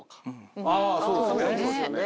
あそうですね。